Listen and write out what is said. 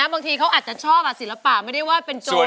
บางทีเขาอาจจะชอบศิลปะไม่ได้ว่าเป็นโจร